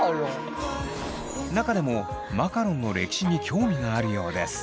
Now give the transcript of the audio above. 中でもマカロンの歴史に興味があるようです。